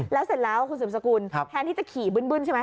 แล้วเสร็จแล้วคุณสืบสกุลแทนที่จะขี่บึ้นใช่ไหม